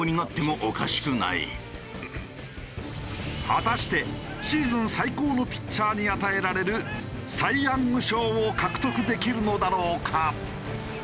果たしてシーズン最高のピッチャーに与えられるサイ・ヤング賞を獲得できるのだろうか？